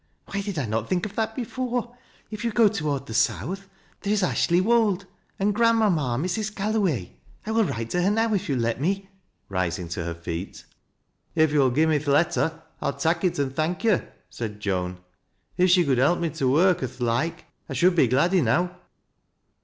" Why did I not think of that before If yon go toward the south, there is Ashley Wold and grandmamma, Mrs. Galloway. I will write to tter now, if you will let me," rising to her feet. 262 THAT LABH (f LO WBIE'8. "If yo'U gi'me th' letter, I'll tak' it an' thank yo'/' eaid Joan. "If fihe could help me to work or th' loike, I should be glad enow."